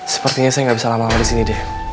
sepertinya saya gak bisa lama lama disini deh